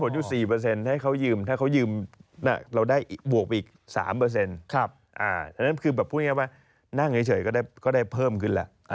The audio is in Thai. จากปันผล